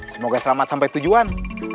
semoga selamat sampai tujuan